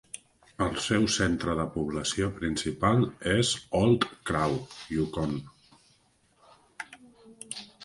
El seu centre de població principal és Old Crow, Yukon.